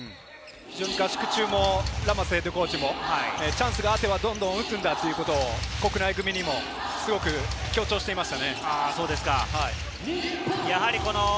合宿中、ラマスヘッドコーチもチャンスがあれば、どんどん打つんだということを国内組にも強く強調していました。